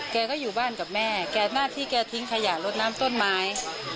แกก็อยู่บ้านกับแม่แกหน้าที่แกทิ้งขยะลดน้ำต้นไม้